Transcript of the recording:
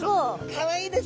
かわいいですね